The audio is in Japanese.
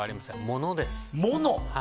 物です。